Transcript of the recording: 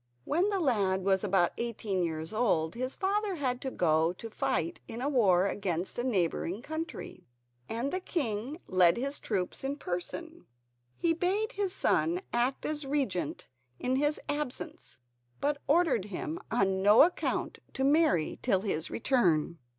When the lad was about eighteen years old his father had to go to fight in a war against a neighbouring country, and the king led his troops in person. He bade his son act as Regent in his absence, but ordered him on no account to marry till his return.